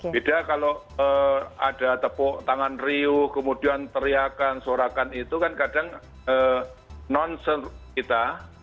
beda kalau ada tepuk tangan riu kemudian teriakan suarakan itu kan kadang nonsense kita